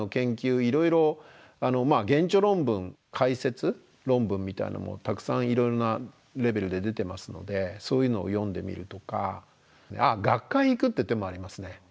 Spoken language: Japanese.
いろいろ原著論文解説論文みたいなのもたくさんいろいろなレベルで出てますのでそういうのを読んでみるとかあっ学会行くって手もありますね。